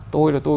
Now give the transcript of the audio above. tôi là tôi